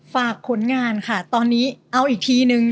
ฝากผลงานค่ะตอนนี้เอาอีกทีนึง